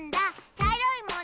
ちゃいろいもの